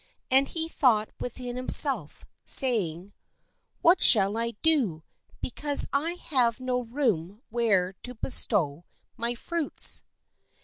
And he thought within himself, saying: "What shall I do, be THE FOOL AND HIS GOODS cause I have no room where to bestow my fruits?'